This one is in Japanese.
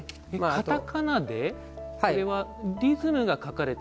かたかなでこれはリズムが書かれて。